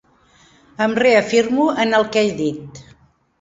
Em reafirmo en el que he dit.